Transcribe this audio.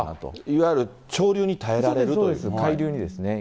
いわゆる潮流に耐えられるということですね。